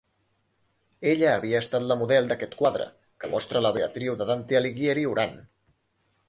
Ella havia estat la model d'aquest quadre, que mostra la Beatriu de Dante Alighieri orant.